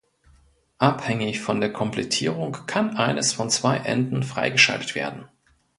Abhängig von der Komplettierung kann eines von zwei Enden freigeschaltet werden.